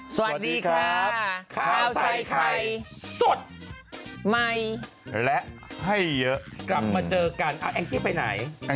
สวัสดีครับข้าวใส่ไข่สดใหม่และให้เยอะกลับมาเจอกันแองจี้ไปไหน